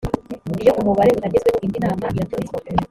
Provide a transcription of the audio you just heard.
iyo umubare utagezweho indi nama iratumizwa